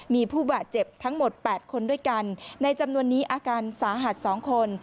มีผู้บาดเจ็บทั้งหมด๘คนด้วยกันในจำนวนนี้อาการสาหัส๒คน